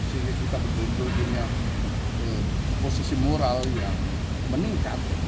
jadi kita berdiri dengan posisi moral yang meningkat